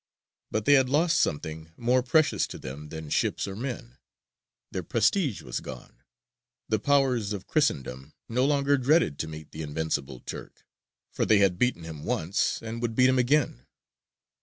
But they had lost something more precious to them than ships or men: their prestige was gone. The powers of Christendom no longer dreaded to meet the invincible Turk, for they had beaten him once, and would beat him again.